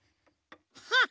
ハッ！